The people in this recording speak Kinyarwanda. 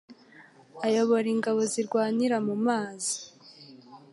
ayobora ingabo zirwanira mu mazi